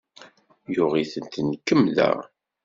Yuɣ itent, mkemmda.